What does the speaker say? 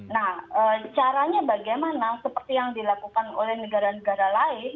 nah caranya bagaimana seperti yang dilakukan oleh negara negara lain